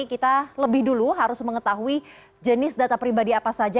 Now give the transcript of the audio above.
kita lebih dulu harus mengetahui jenis data pribadi apa saja